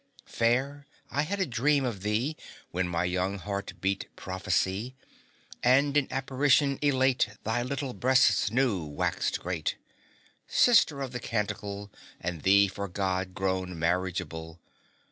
Fair, I had a dream of thee, When my young heart beat prophecy, And in apparition elate Thy little breasts knew waxèd great, Sister of the Canticle, And thee for God grown marriageable.